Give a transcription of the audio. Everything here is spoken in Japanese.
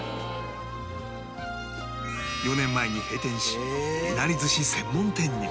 ４年前に閉店しいなり寿司専門店に